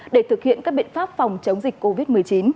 để thực hiện các biện pháp phòng chống dịch covid một mươi chín